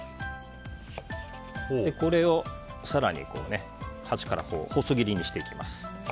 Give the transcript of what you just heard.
これを、更に端から細切りにしていきます。